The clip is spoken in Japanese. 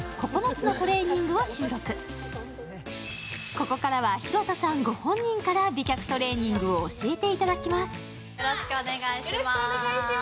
ここからは廣田さんご本人から美脚トレーニングを教えていただきます。